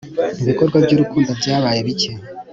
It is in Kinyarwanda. ibikorwa by'urukundo byabaye bike